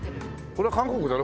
これ韓国だろ。